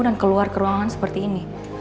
dan keluar ke ruangan seperti ini